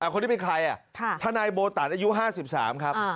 คนนี้เป็นใครทนายโบตันอายุ๕๓ครับ